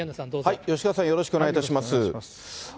吉川さん、よろしくお願いいよろしくお願いします。